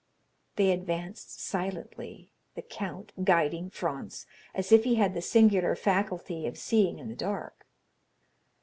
They advanced silently, the count guiding Franz as if he had the singular faculty of seeing in the dark.